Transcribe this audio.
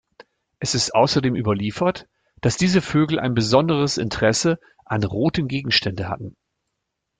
Es ist außerdem überliefert, dass diese Vögel ein besonderes Interesse an roten Gegenständen hatten.